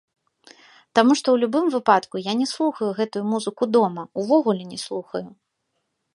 Таму што ў любым выпадку я не слухаю гэтую музыку дома, увогуле не слухаю.